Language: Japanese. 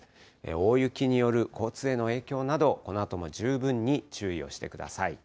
大雪による交通への影響など、このあとも十分に注意をしてください。